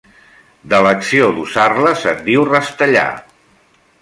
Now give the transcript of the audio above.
De l'acció d'usar-la se'n diu rastellar.